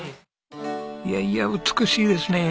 いやいや美しいですね。